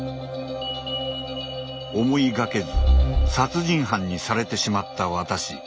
思いがけず殺人犯にされてしまった私。